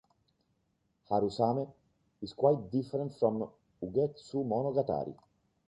"Harusame" is quite different from "Ugetsu Monogatari".